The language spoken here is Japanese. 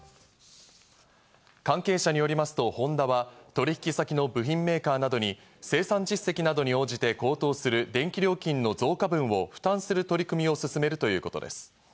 関係者によりますとホンダは、取引先の部品メーカーなどに、生産実績などに応じて高騰する電気料金の増加分を負担する取り組みを進めるということです。